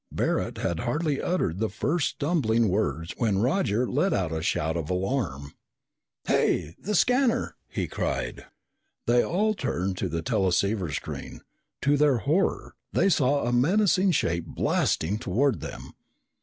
Barret had hardly uttered the first stumbling words when Roger let out a shout of alarm. "Hey! The scanner!" he cried. They all turned to the teleceiver screen. To their horror, they saw a menacing shape blasting toward them.